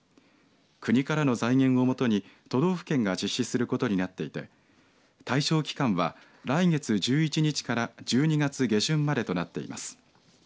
国からの財源をもとに都道府県が実施することになっていて対象期間は、来月１１日から１２月下旬までとなっています。